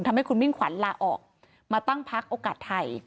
ทำให้คุณมิ่งขวัญลาออกมาตั้งพักโอกาสไทย